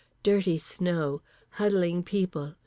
Dirty snow. Huddling people.